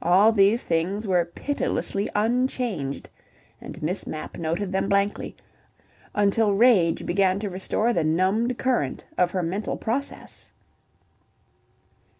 All these things were pitilessly unchanged, and Miss Mapp noted them blankly, until rage began to restore the numbed current of her mental processes.